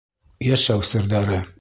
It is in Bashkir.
Йәшәү серҙәре